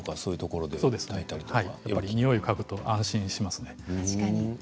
においをかぐと安心しますね。